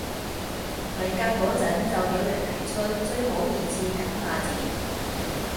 文革嗰陣就有人提出最好二次簡化字